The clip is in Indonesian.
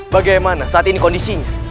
bagaimana saat ini kondisinya